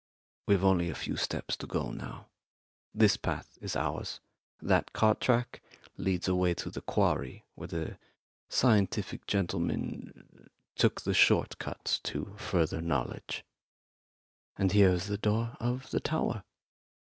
We've only a few steps to go now. This path is ours. That cart track leads away to the quarry where the scientific gentleman took the short cut to further knowledge. And here is the door of the tower."